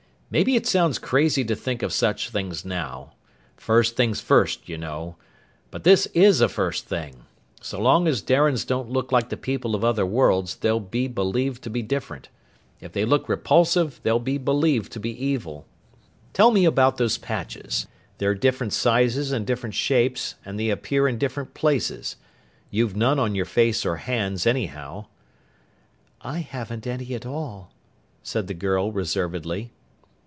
"Maybe it sounds crazy to think of such things now first things first, you know. But this is a first thing! So long as Darians don't look like the people of other worlds, they'll be believed to be different. If they look repulsive, they'll be believed to be evil. "Tell me about those patches. They're different sizes and different shapes and they appear in different places. You've none on your face or hands, anyhow." "I haven't any at all," said the girl reservedly.